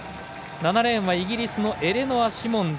７レーンはイギリスのエレノア・シモンズ。